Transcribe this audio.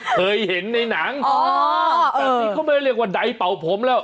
เคยเห็นในหนังอ๋อแบบนี้เขาไม่ได้เรียกว่าใดเป่าผมแล้ว